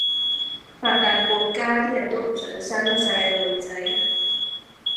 發達國家啲人都唔想生細路仔